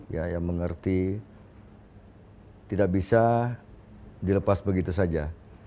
ya yang mengerti tidak bisa dilepas begitu saja